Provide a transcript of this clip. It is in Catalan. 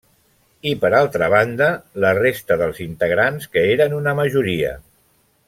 I per altra banda, la resta dels integrants que eren una majoria.